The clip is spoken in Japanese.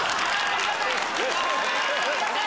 ありがたい！